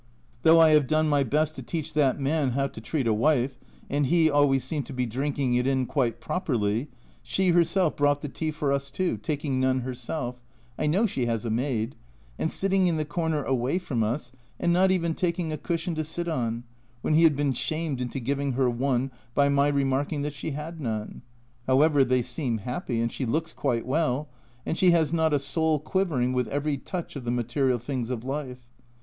Though I have done my best to teach that man how to treat a wife and he always seemed to be drinking it in quite properly she herself brought the tea for us two, taking none her self (I know she has a maid), and sitting in the corner away from us, and not even taking a cushion to sit on, when he had been shamed into giving her one by my remarking that she had none. However, they seem happy, and she looks quite well, and she has not a soul quivering with every touch of the material things of life.